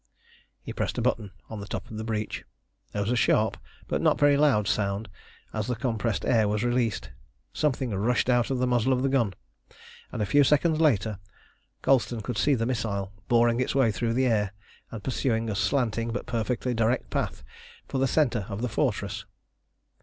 He pressed a button on the top of the breech. There was a sharp but not very loud sound as the compressed air was released; something rushed out of the muzzle of the gun, and a few seconds later, Colston could see the missile boring its way through the air, and pursuing a slanting but perfectly direct path for the centre of the fortress.